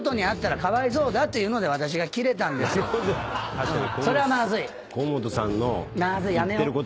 確かに。